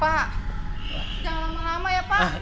pak jangan lama lama ya pak